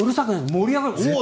盛り上がる。